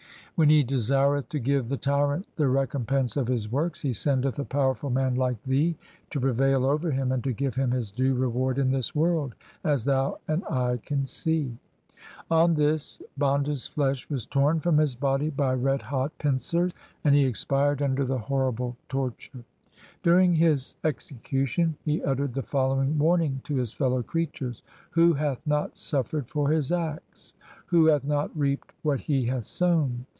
' When He desireth to give the tyrant the recompense of his works, He sendeth a powerful man like thee to prevail over him, and to give him his due reward in this world: as thou and I can see.' On this Banda's flesh was torn from his body by red hot pincers, and he expired under the horrible torture. 254 THE SIKH RELIGION During his execution he uttered the following warning to his fellow creatures :— Who hath not suffered for his acts? Who hath not reaped what he hath sown